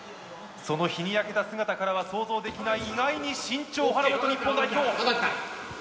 その日に焼けた姿からは想像できない意外に慎重派の元日本代表。